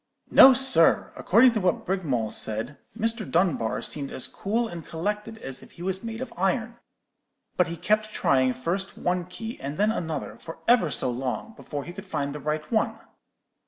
"'No, sir; according to what Brigmawl said, Mr. Dunbar seemed as cool and collected as if he was made of iron. But he kept trying first one key and then another, for ever so long, before he could find the right one.'